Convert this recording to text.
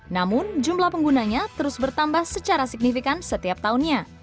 namun jumlah penggunanya terus bertambah secara signifikan setiap tahunnya